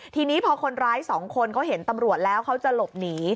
ทีนี้พอคนร้ายสองคนเขาเห็นตำรวจแล้วเขาจะหลบหนี